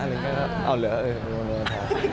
แล้วก็เอาเหรอวันอันทราย